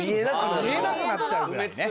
見えなくなっちゃうくらいね。